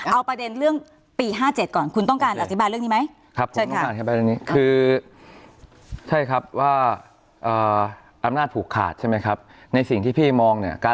เอ้าประเด็นเรื่องปีห้าเจ็ดก่อนคุณต้องการอธิบายเรื่องนี้มั้ย